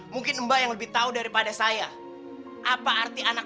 mungkin ini kesalahan bapak juga nak